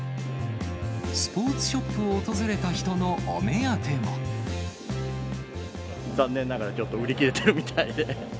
スポーツショップを訪れた人残念ながらちょっと売り切れてるみたいで。